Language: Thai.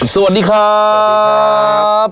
สวัสดีครับ